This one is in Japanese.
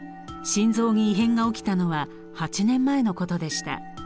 心臓に異変が起きたのは８年前のことでした。